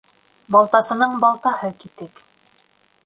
Балтасының балтаһы китек.